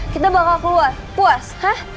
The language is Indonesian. kita bakal keluar puas hah